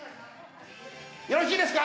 よろしいですか？